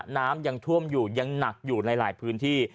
น้ำยังท่วมอยู่ยังหนักอยู่ในหลายพื้นที่